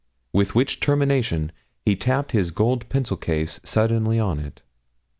With which termination he tapped his gold pencil case suddenly on it.